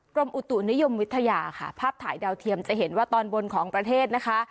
กรมอุตุนิยมวิทยาค่ะภาพถ่ายดาวเทียมจะเห็นว่าตอนบนของประเทศนะคะ